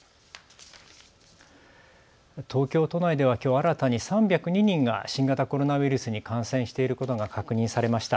東京都内ではきょう新たに３０２人が新型コロナウイルスに感染していることが確認されました。